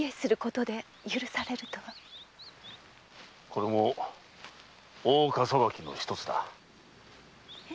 これも大岡裁きの一つだ。